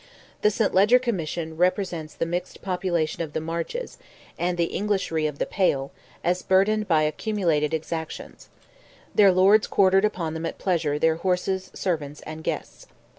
The St. Leger Commission represents the mixed population of the marches, and the Englishry of "the Pale" as burthened by accumulated exactions. Their lords quartered upon them at pleasure their horses, servants, and guests.